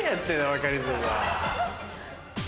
バカリズムは。